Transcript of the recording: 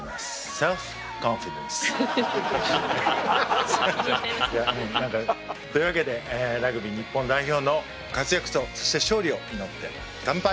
ｓｅｌｆｃｏｎｆｉｄｅｎｃｅ．というわけでラグビー日本代表の活躍とそして勝利を祈って乾杯！